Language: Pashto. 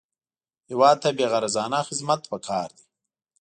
هېواد ته بېغرضانه خدمت پکار دی